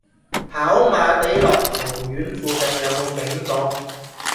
跑馬地樂陶苑附近有無警局？